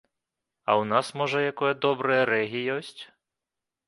А ў нас, можа, якое добрае рэгі ёсць?